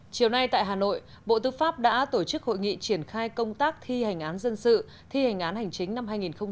chiều nay tại hà nội bộ tư pháp đã tổ chức hội nghị triển khai công tác thi hành án dân sự thi hành án hành chính năm hai nghìn hai mươi